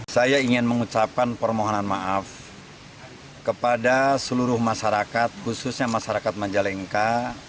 saya ingin mengucapkan permohonan maaf kepada seluruh masyarakat khususnya masyarakat majalengka